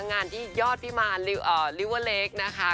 งานที่ยอดพิมารลิเวอร์เล็กนะคะ